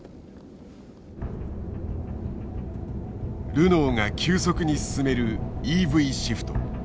ルノーが急速に進めるＥＶシフト。